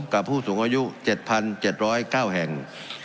ผู้สูงอายุ๗๗๐๙แห่ง